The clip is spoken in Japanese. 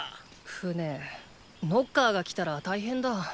船ノッカーが来たら大変だ。